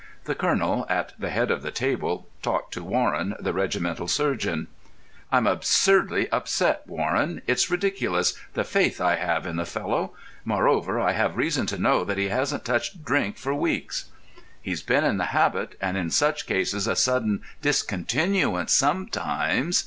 The colonel, at the head of the table, talked to Warren, the regimental surgeon. "I'm absurdly upset, Warren. It's ridiculous, the faith I have in the fellow. Moreover, I have reason to know that he hasn't touched drink for weeks." "He's been in the habit, and in such cases a sudden discontinuance sometimes....